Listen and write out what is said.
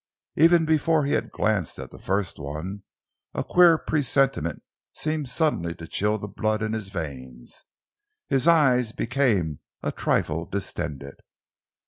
Even before he had glanced at the first one, a queer presentiment seemed suddenly to chill the blood in his veins. His eyes became a trifle distended.